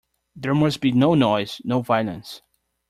There must be no noise, no violence.